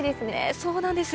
そうなんですよ。